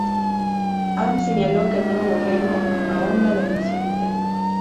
Hamas señaló que el nuevo gobierno ahonda la división interna.